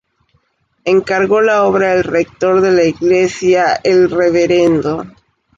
Encargó la obra el rector de la iglesia el Rvdo.